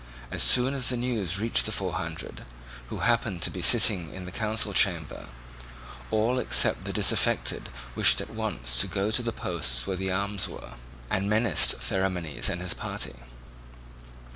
As soon as the news reached the Four Hundred, who happened to be sitting in the council chamber, all except the disaffected wished at once to go to the posts where the arms were, and menaced Theramenes and his party.